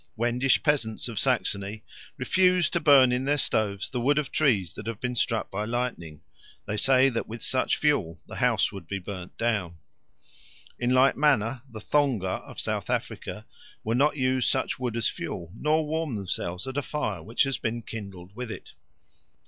Wendish peasants of Saxony refuse to burn in their stoves the wood of trees that have been struck by lightning; they say that with such fuel the house would be burnt down. In like manner the Thonga of South Africa will not use such wood as fuel nor warm themselves at a fire which has been kindled with it.